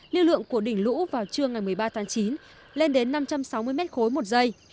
lưu lượng của đỉnh lũ vào trưa ngày một mươi ba tháng chín lên đến năm trăm sáu mươi mét khối một giây